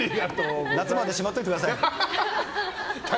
夏までしまっといてください。